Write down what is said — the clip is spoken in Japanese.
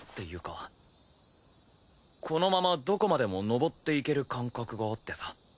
このままどこまでも上っていける感覚があってさ。